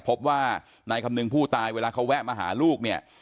พบว่านายคำนึงผู้ตายเวลาเขาแวะมาหาลูกเนี่ย